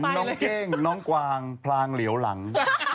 น้องเก้งน้องกวางพลางเหลียวหลัง